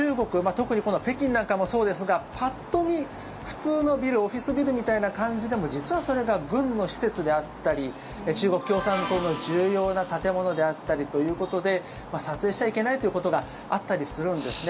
特に北京なんかもそうですがパッと見、普通のビルオフィスビルみたいな感じでも実はそれが軍の施設であったり中国共産党の重要な建物であったりということで撮影してはいけないということがあったりするんですね。